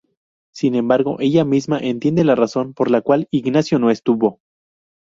Sin embargo, ella misma entiende la razón por la cual, Ignacio no estuvo.